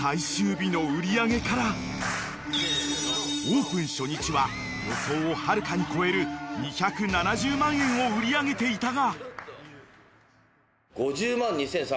［オープン初日は予想をはるかに超える２７０万円を売り上げていたが］